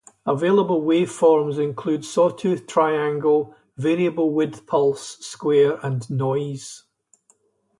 Available waveforms include sawtooth, triangle, variable width pulse, square, and noise.